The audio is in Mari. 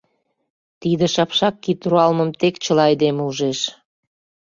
Тиде шапшак кид руалмым тек чыла айдеме ужеш.